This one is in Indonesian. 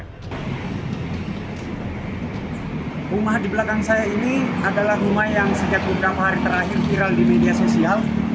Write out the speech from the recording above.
rumah di belakang saya ini adalah rumah yang sejak beberapa hari terakhir viral di media sosial